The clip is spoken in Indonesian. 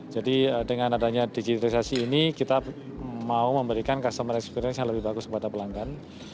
jadi dengan adanya digitalisasi ini kita mau memberikan customer experience yang lebih bagus kepada pelanggan